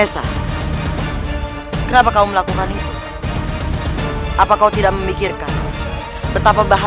kakak kau melamun tidak malah